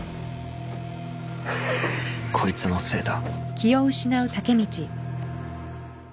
［こいつのせいだ］